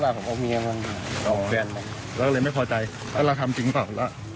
เราไปมีอะไรกับแฟนเขาจริงหรือเปล่า